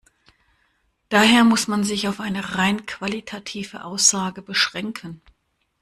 Daher muss man sich auf eine rein qualitative Aussage beschränken.